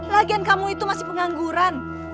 lagian kamu itu masih pengangguran